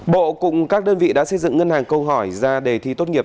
bộ cùng các đơn vị đã xây dựng ngân hàng câu hỏi ra đề thi tốt nghiệp